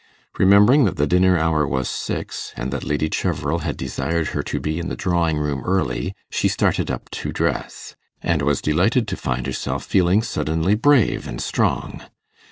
Remembering that the dinner hour was six, and that Lady Cheverel had desired her to be in the drawing room early, she started up to dress, and was delighted to find herself feeling suddenly brave and strong.